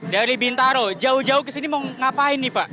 dari bintaro jauh jauh ke sini mau ngapain nih pak